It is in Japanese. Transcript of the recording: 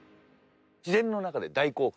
自然の中で大興奮！